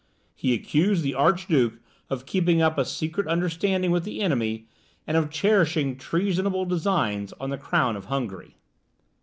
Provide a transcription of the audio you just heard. He accused the Archduke of keeping up a secret understanding with the enemy, and of cherishing treasonable designs on the crown of Hungary.